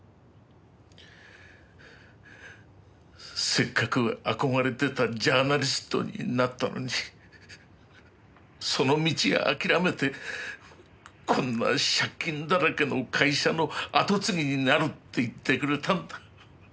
せっかく憧れてたジャーナリストになったのにその道諦めてこんな借金だらけの会社の後継ぎになるって言ってくれたんだ。